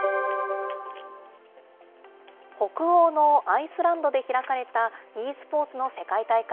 北欧のアイスランドで開かれたｅスポーツの世界大会。